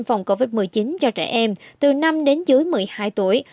phòng covid một mươi chín cho trẻ em từ năm đến dưới một mươi hai tuổi